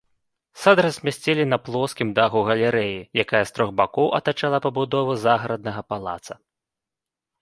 Сад размясцілі на плоскім даху галерэі, якая з трох бакоў атачала пабудову загараднага палаца.